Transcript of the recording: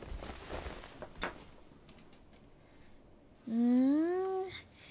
うん。